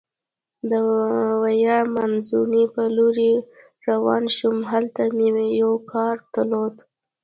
د ویا مانزوني په لورې روان شوم، هلته مې یو کار درلود.